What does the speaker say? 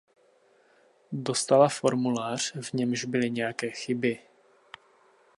Dostala formulář, v němž byly nějaké chyby.